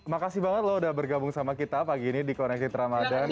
makasih banget loh udah bergabung sama kita pagi ini di connected ramadhan